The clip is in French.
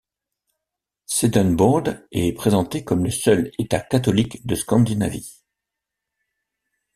Swedenbord est présenté comme le seul état catholique de Scandinavie.